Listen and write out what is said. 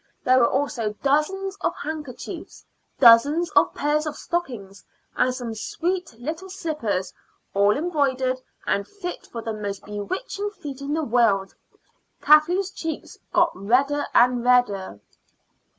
There were also dozens of handkerchiefs, dozens of pairs of stockings, and some sweet little slippers all embroidered and fit for the most bewitching feet in the world. Kathleen's cheeks got redder and redder.